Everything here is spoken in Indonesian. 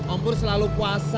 ompur selalu puasa